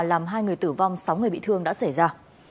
làm hai người tử vong sáu người bị thương đã xảy ra